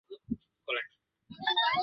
现任陕西省人大常委会副主任。